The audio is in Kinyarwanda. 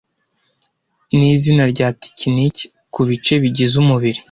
nizina rya tekiniki kubice bigize umubiri